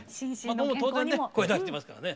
僕も当然ね声出してますからね。